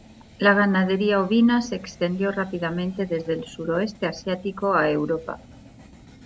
La ganadería ovina se extendió rápidamente desde el suroeste asiático a Europa.